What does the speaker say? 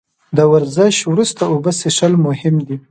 د ورزش وروسته اوبه څښل مهم دي